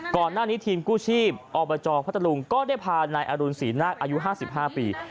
ก่อนหน้านี้ทีมกู้ชีพอบจพัทธรุงก็ได้พานายอรุณศรีนาคอายุ๕๕ปี